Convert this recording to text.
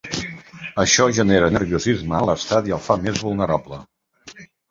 Això genera nerviosisme en l’estat i el fa més vulnerable.